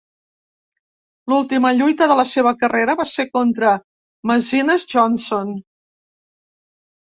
L"última lluita de la seva carrera va ser contra Menzies Johnson.